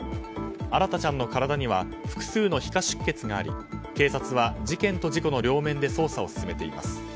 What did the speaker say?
新大ちゃんの体には複数の皮下出血があり警察は事件と事故の両面で捜査を進めています。